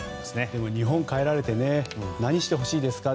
でも日本に帰られて何してほしいですか？